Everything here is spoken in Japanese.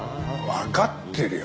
わかってるよ！